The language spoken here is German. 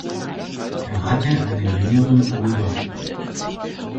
Er hatte einen jüngeren Bruder.